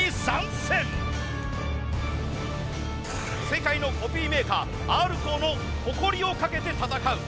世界のコピーメーカーＲコーの誇りをかけて戦う。